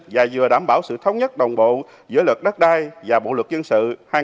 và vừa đảm bảo sự thống nhất đồng bộ giữa luật đất đai và bộ luật dân sự hai nghìn một mươi năm